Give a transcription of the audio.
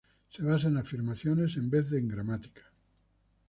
Se basa en afirmaciones en vez de en gramática.